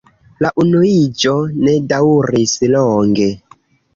La unuiĝo ne daŭris longe.